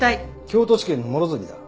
京都地検の諸積だ。